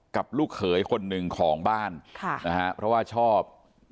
ลูกเขยคนหนึ่งของบ้านค่ะนะฮะเพราะว่าชอบ